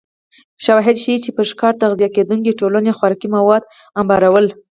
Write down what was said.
شواهد ښيي چې پر ښکار تغذیه کېدونکې ټولنې خوراکي مواد انبارول